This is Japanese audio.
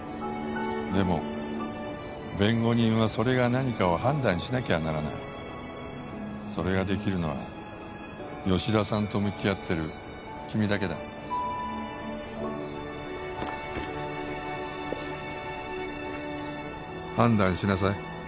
でも弁護人はそれが何かを判断しなきゃならないそれができるのは吉田さんと向き合ってる君だけだ判断しなさい